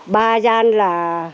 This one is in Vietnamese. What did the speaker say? bà gian là